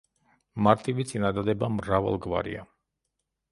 მარტივი წინადადება მრავალგვარია.